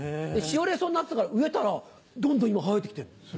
しおれそうになったから、植えたら、どんどん今、生えてきてるの。